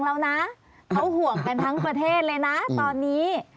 แล้วนะเขาห่วงกันทั้งประเทศเลยนะตอนนี้